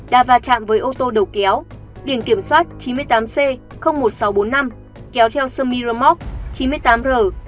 đa và trạm với ô tô đầu kéo điện kiểm soát chín mươi tám c một nghìn sáu trăm bốn mươi năm kéo theo sân miramont chín mươi tám r một trăm năm mươi bốn